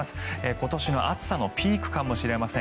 今年の暑さのピークかもしれません。